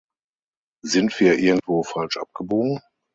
Sind wir irgendwo falsch abgebogen?